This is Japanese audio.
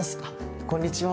こんにちは。